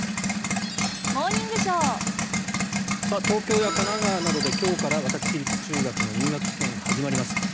東京や神奈川などで今日から私立中学の入学試験が始まります。